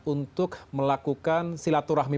untuk melakukan silaturahmi